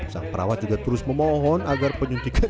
sang perawat juga terus memohon agar penyuntikan